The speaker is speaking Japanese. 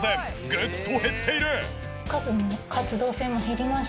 グッと減っている！